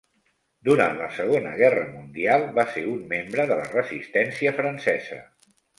Durant la Segona Guerra Mundial va ser un membre de la Resistència francesa.